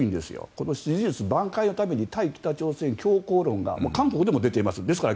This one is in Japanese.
この支持率ばん回のために対北朝鮮強硬論がもう韓国でも出ています。